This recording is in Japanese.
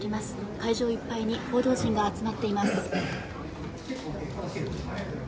会場いっぱいに報道陣が集まっています。